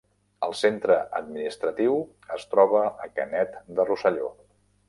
El centre administratiu es troba a Canet de Rosselló.